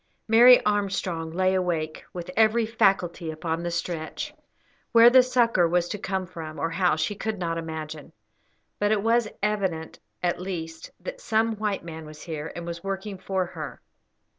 Mary Armstrong lay awake, with every faculty upon the stretch. Where the succour was to come from, or how, she could not imagine; but it was evident, at least, that some white man was here, and was working for her.